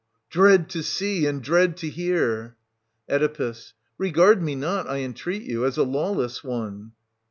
Dread to see, and dread to hear ! Oe. Regard me not, I entreat you, as a lawless one.